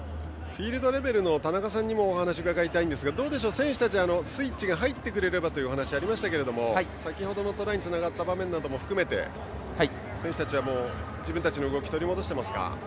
フィールドレベルの田中さんにも伺いますがどうでしょう、選手たちはスイッチが入ってくれればというお話がありましたけど先ほどのトライにつながった場面も含めて選手たちは自分たちの動きを取り戻していますか。